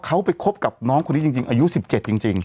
เขาไปคบกับน้องคนนี้จริงอายุ๑๗จริง